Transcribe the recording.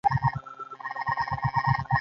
ایا پورته کیدی شئ؟